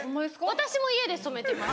私も家で染めてます。